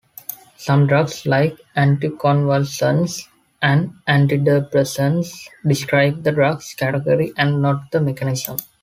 Some drugs, like anticonvulsants and antidepressants, describe the drug category and not the mechanism.